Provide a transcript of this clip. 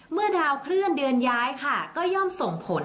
เมื่อดาวเคลื่อนเดือนย้ายค่ะก็ย่อมส่งผล